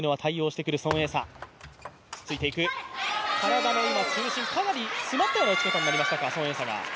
体の中心、詰まったような打ち方になりましたか。